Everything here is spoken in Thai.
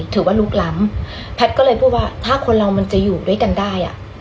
ถือว่าลุกล้ำแพทย์ก็เลยพูดว่าถ้าคนเรามันจะอยู่ด้วยกันได้อ่ะ